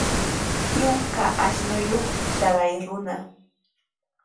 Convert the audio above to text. Trunka ashnuyuqmi taqay runa.